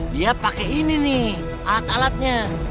dia pakai ini nih alat alatnya